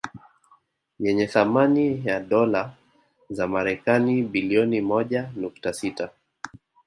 Yenye thamani ya dola za Marekani bilioni moja nukta sita